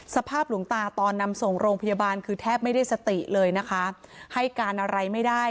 สภาพหลวงตาตอนนำส่งโรงพยาบาลคือแทบไม่ได้สติเลยนะคะให้การอะไรไม่ได้